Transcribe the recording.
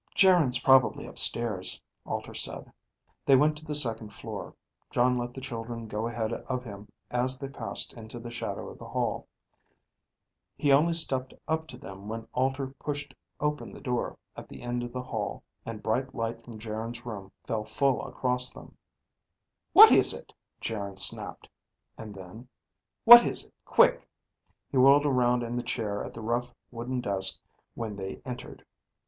"Geryn's probably upstairs," Alter said. They went to the second floor. Jon let the children go ahead of him as they passed into the shadow of the hall. He only stepped up to them when Alter pushed open the door at the end of the hall and bright light from Geryn's room fell full across them. "What is it?" Geryn snapped. And then, "What is it, quick?" He whirled around in the chair at the rough wooden desk when they entered.